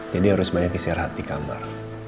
jadi harus banyak istirahat di kamar